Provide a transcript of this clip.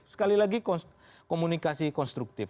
sekali lagi komunikasi konstruktif